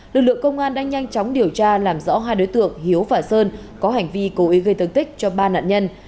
lực lượng công an đã nhanh chóng điều tra làm rõ hai đối tượng hiếu và sơn có hành vi cố ý gây thương tích cho ba nạn nhân